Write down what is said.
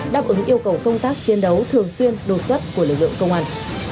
đáp ứng yêu cầu công tác chiến đấu thường xuyên đột xuất của lực lượng công an